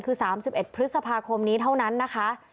คือ๓๑พฤษภาคมนี้เท่านั้นนะคะ